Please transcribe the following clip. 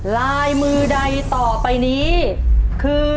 ลายมือใดต่อไปนี้คือ